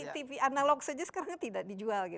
tv analog saja sekarang tidak dijual